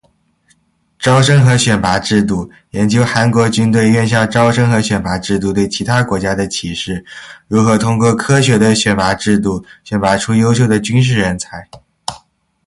招生和选拔制度：研究韩国军队院校招生和选拔制度对其他国家的启示，如何通过科学的选拔制度选拔出优秀的军事人才